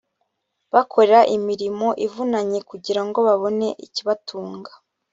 bakora imirmo ivunanye kugira ngo babone ikibatunga